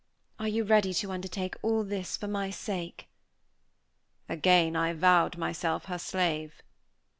Are you ready to undertake all this for my sake?" Again I vowed myself her slave.